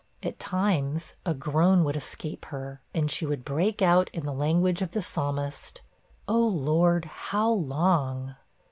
At times, a groan would escape her, and she would break out in the language of the Psalmist 'Oh Lord, how long?'